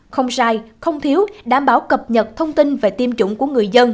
không sai không thiếu đảm bảo cập nhật thông tin về tiêm chủng của người dân